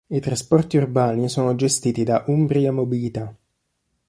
I trasporti urbani sono gestiti da Umbria Mobilità.